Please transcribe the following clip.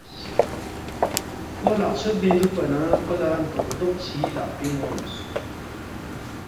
کھو لقژھوت بین دُوکپا نہ کھو لہ لدوق لدوق چی لقپِنگ اونگس